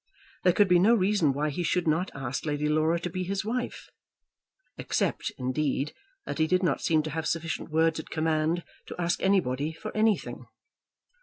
There could be no reason why he should not ask Lady Laura to be his wife, except, indeed, that he did not seem to have sufficient words at command to ask anybody for anything.